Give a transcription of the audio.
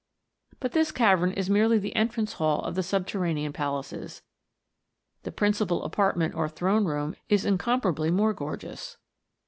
But this cavern is merely the entrance hall of the subterranean palaces ; the principal apartment or throne room is incom parably more gorgeous.